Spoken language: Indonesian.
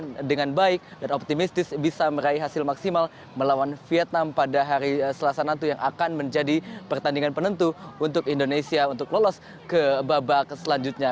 pertandingan dengan baik dan optimistis bisa meraih hasil maksimal melawan vietnam pada hari selasa nanti yang akan menjadi pertandingan penentu untuk indonesia untuk lolos ke babak selanjutnya